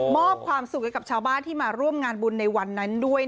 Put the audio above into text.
มอบความสุขให้กับชาวบ้านที่มาร่วมงานบุญในวันนั้นด้วย